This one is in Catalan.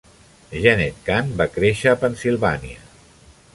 Jenette Kahn va créixer a Pennsilvània.